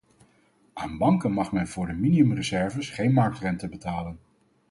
Aan banken mag men voor de minimumreserves geen marktrente betalen.